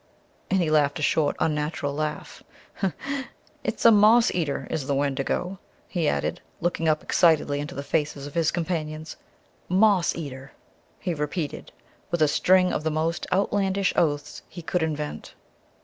And he laughed a short, unnatural laugh. "It's a moss eater, is the Wendigo," he added, looking up excitedly into the faces of his companions. "Moss eater," he repeated, with a string of the most outlandish oaths he could invent.